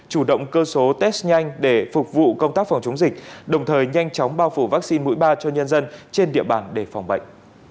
chủ động cơ số test nhanh để phục vụ công tác phòng chống dịch đồng thời nhanh chóng bao phủ vaccine mũi ba cho nhân dân trên địa bàn để phòng bệnh